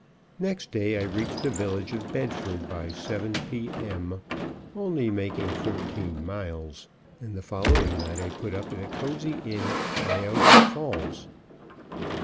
Next day I reached the village of Bedford by 7:00 P. M., only making thirteen miles; and the following night I put up at a cozy inn at Cuyahoga Falls.